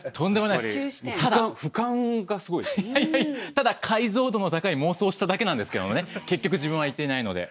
ただ解像度の高い妄想をしただけなんですけどもね結局自分は行っていないので。